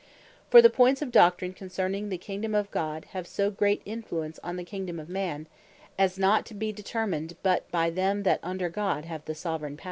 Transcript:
For the points of doctrine concerning the Kingdome (of) God, have so great influence on the Kingdome of Man, as not to be determined, but by them, that under God have the Soveraign Power.